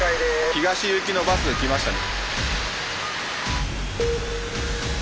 東行きのバス来ましたね。